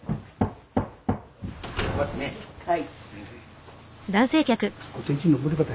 はい。